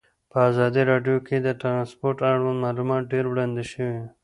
په ازادي راډیو کې د ترانسپورټ اړوند معلومات ډېر وړاندې شوي.